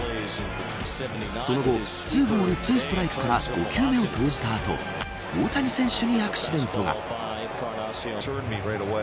その後２ボール２ストライクから５球目を投じた後で大谷選手にアクシデントが。